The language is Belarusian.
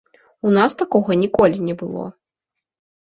У нас такога ніколі не было!